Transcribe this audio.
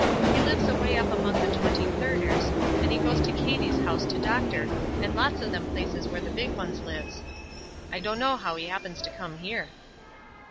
"He lives away up among the Twenty thirders, and he goes to Cady's house to doctor, and lots of them places where the big ones lives. I dunno how he happens to come here."